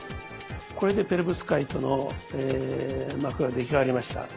これでペロブスカイトの膜が出来上がりました。